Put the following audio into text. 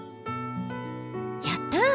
やった！